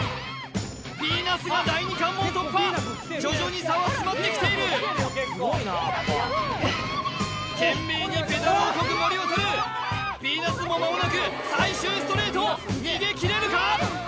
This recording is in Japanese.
ヴィーナスが第二関門を突破徐々に差は詰まってきている懸命にペダルをこぐ森渉ヴィーナスもまもなく最終ストレート逃げきれるか？